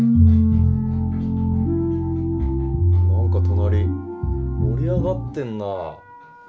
・何か隣盛り上がってんな。